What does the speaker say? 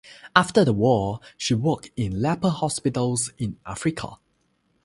After the war, she worked in leper hospitals in Africa.